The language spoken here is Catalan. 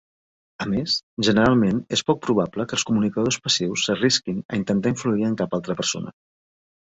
A més, generalment és poc probable que els comunicadors passius s'arrisquin a intentar influir en cap altra persona.